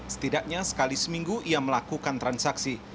setidaknya sekali seminggu ia melakukan transaksi